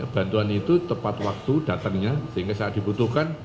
bantuan itu tepat waktu datangnya sehingga saat dibutuhkan